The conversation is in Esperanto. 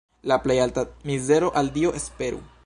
En plej alta mizero al Dio esperu.